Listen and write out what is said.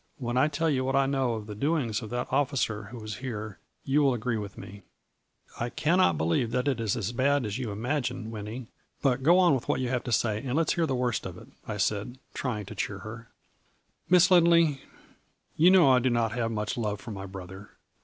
When I tell you what I know of the doings of that officer who was here, you will agree with me.' 44 'I cannot believe that it is as bad as you im A FLURRY IN DIAMONDS . 107 agine, Winnie, but go on with what you have to say and let's hear the worst of it.' I said, trying to cheer her. "' Miss Lindley, you know I do not have much love for my brother.